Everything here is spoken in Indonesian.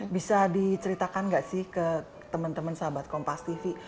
bisa diceritakan gak sih ke temen temen sahabat kompas tv